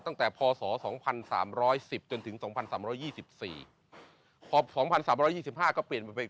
ตั้งแต่พศ๒๓๑๐จนถึง๒๓๒๔๒๓๒๕ก็เปลี่ยนมาเป็น